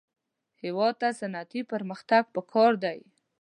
هېواد ته صنعتي پرمختګ پکار دی